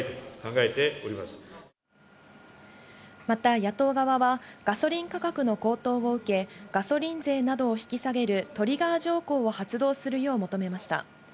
また野党側は、ガソリン価格の高騰を受け、ガソリン税などを引き下げるトリガー条項を発動するよう求めました。